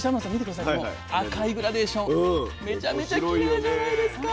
この赤いグラデーションめちゃめちゃきれいじゃないですか